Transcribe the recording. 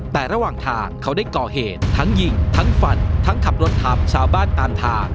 แต่ระหว่างทางเขาได้ก่อเหตุทั้งยิงทั้งฟันทั้งขับรถทับชาวบ้านตามทาง